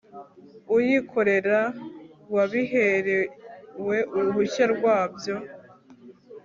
uwikorera wabiherewe uruhushya rwabyo